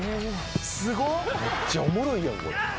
めっちゃおもろいやん。